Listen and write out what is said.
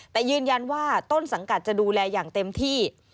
แต่ยืนยันว่าต้นสังกัดจะดูแลอย่างเต็มที่